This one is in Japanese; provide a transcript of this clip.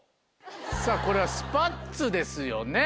さぁこれはスパッツですよね。